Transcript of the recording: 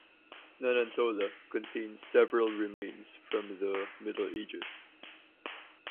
Nonantola contains several remains from the Middle Ages.